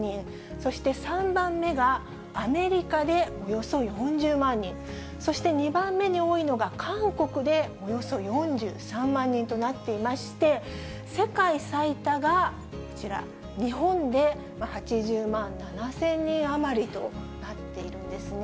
そして３番目がアメリカでおよそ４０万人、そして２番目に多いのが韓国でおよそ４３万人となっていまして、世界最多がこちら、日本で８０万７０００人余りとなっているんですね。